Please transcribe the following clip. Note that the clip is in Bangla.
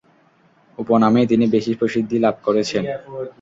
উপনামেই তিনি বেশী প্রসিদ্ধি লাভ করেছেন।